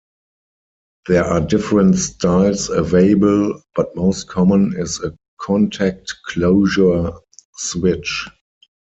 There are different styles available but most common is a contact closure switch.